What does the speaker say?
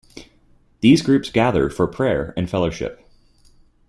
These groups gather for prayer and fellowship.